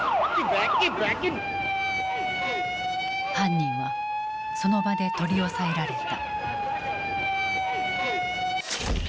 犯人はその場で取り押さえられた。